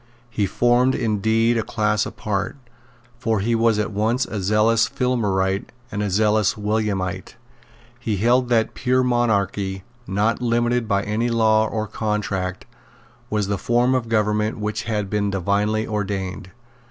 He formed indeed a class apart; for he was at once a zealous Filmerite and a zealous Williamite. He held that pure monarchy, not limited by any law or contract, was the form of government which had been divinely ordained.